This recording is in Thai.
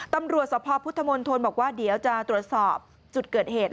ตำรวจสภพุทธมณฑลบอกว่าเดี๋ยวจะตรวจสอบจุดเกิดเหตุ